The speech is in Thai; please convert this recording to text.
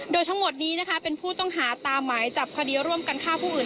โดยทั้งหมดนี้นะคะเป็นผู้ต้องหาตามหมายจับคดีร่วมกันฆ่าผู้อื่น